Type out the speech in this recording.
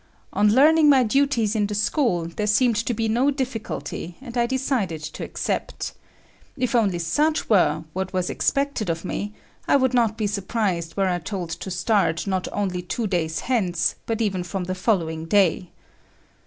On learning my duties in the school, there seemed to be no difficulty, and I decided to accept. If only such were what was expected of me, I would not be surprised were I told to start not only two days hence but even from the following day.